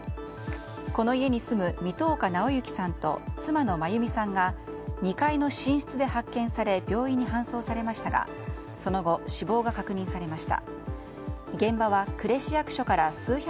この家に住む三十日直幸さんと妻の真弓さんが２階の寝室で発見され病院に搬送されましたがその後、死亡が確認されました。